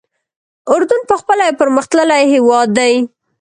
اردن پخپله یو پرمختللی هېواد دی.